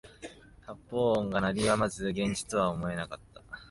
発砲音が鳴り止まず現実とは思えなかった